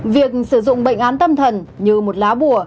việc sử dụng bệnh án tâm thần như một lá bùa